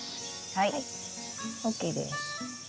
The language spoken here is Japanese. はいＯＫです。